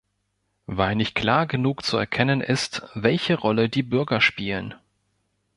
Weil nicht klar genug zu erkennen ist, welche Rolle die Bürger spielen.